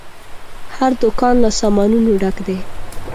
هر دوکان له سامانونو ډک دی.